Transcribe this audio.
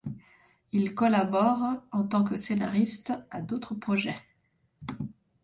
Il collabore en tant que scénariste à d'autres projets.